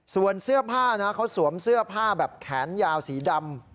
ส่วนเสื้อผ้านะเขาสวมเสื้อผ้าแบบแขนยาวสีดำ